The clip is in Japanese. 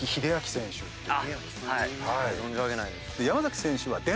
山崎選手は。